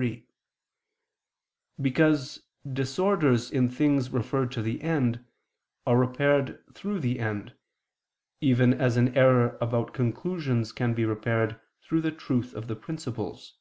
3), because disorders in things referred to the end, are repaired through the end, even as an error about conclusions can be repaired through the truth of the principles.